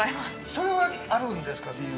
◆それはあるんですか、理由。